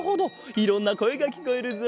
いろんなこえがきこえるぞ。